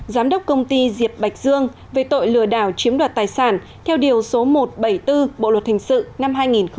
giám đốc công ty diệp bạch dương về tội lừa đảo chiếm đoạt tài sản theo điều số một trăm bảy mươi bốn bộ luật hình sự năm hai nghìn một mươi năm